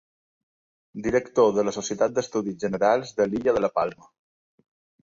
Director de la Societat d'Estudis Generals de l'illa de la Palma.